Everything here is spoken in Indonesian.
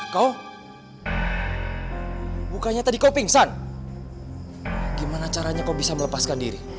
kau bukannya tadi kau pingsan gimana caranya kok bisa melepaskan diri